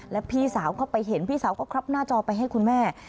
แล้วพี่สาวก็ไปเห็นพี่สาวก็ครอบหน้าจอไปให้คุณแม่